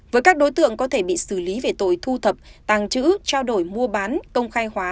với các đối tượng có thể bị xử lý về tội thu thập tàng chữ trao đổi mua bán công khai hóa